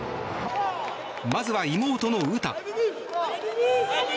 まずは妹の詩。